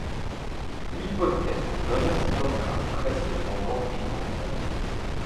L'hypothèse d'un accident grave reste cependant prise en compte.